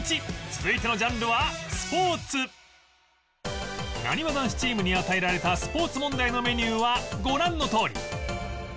続いてのジャンルはなにわ男子チームに与えられたスポーツ問題のメニューはご覧のとおり